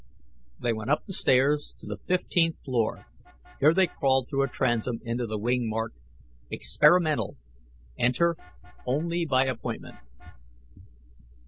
They went up the stairs to the fifteenth floor. Here they crawled through a transom into the wing marked: "Experimental. Enter Only By Appointment."